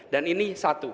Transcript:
dan ini satu